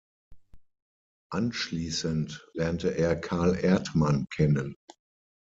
Anschließend lernte er Carl Erdmann kennen.